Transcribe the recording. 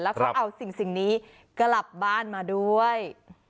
แล้วก็เอาสิ่งนี้กลับบ้านมาด้วย